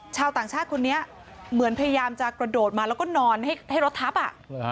ชาวต่างชาติคนนี้เหมือนพยายามจะกระโดดมาแล้วก็นอนให้รถทับ